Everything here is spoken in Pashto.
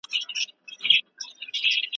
هم خالق یې هم سلطان یې د وگړو .